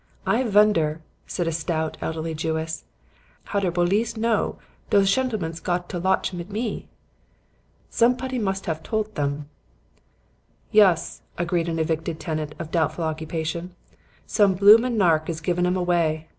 "'I vunder,' said a stout, elderly Jewess, 'how der bolice know dose shentlemens gom to lotch mit me. Zumpotty must haf toldt dem.' "'Yus,' agreed an evicted tenant of doubtful occupation, 'some bloomin' nark has giv 'em away.